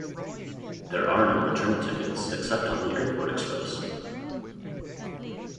There are no return tickets, except on the Airport Express.